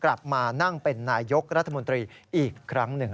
กลับมานั่งเป็นนายยกรัฐมนตรีอีกครั้งหนึ่ง